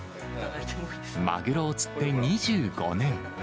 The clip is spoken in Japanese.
マグロを釣って２５年。